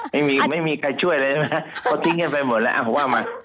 ไม่มีใครช่วยเลยพอทิ้งกันไปหมดแล้วอ้าวคุณว่ามา